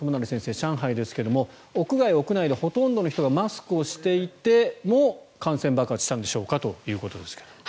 上海ですが屋外、屋内でほとんどの人がマスクをしていても感染爆発したんでしょうかということですが。